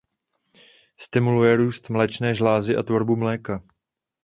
Stimuluje růst mléčné žlázy a tvorbu mléka.